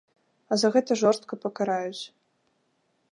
А за гэта жорстка пакараюць.